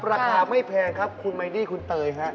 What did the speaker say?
ราคาไม่แพงครับคุณไมดี้คุณเตยครับ